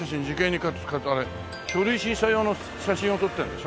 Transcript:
書類審査用の写真を撮ってるんでしょ。